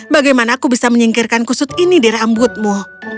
bagaimana aku bisa menyingkirkan kusut ini di rambutmu